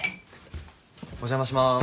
お邪魔しまーす。